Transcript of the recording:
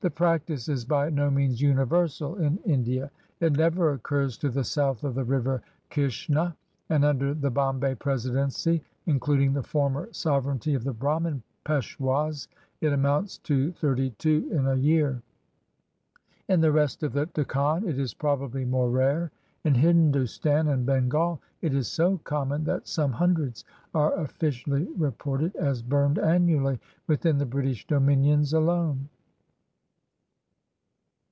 The practice is by no means universal in India. It never occurs to the south of the river Kishna ; and under the Bombay presidency, including the former sovereignty of the Bramin Peshwas, it amounts to thirty two in a year. In the rest of the Deckan it is probably more rare. In Hindostan and Bengal it is so common that some hundreds are officially reported as burned annually within the British dominions alone.